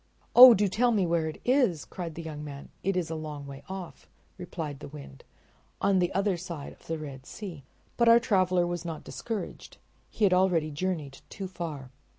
"Oh, do tell me where it is," cried the young man." "It is a long way off," replied the Wind, "on the other side of the Red Sea." But our traveler was not discouraged—he had already journeyed too far.